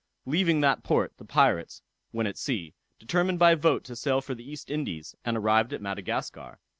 Leaving that port, the pirates, when at sea, determined by vote to sail for the East Indies, and arrived at Madagascar.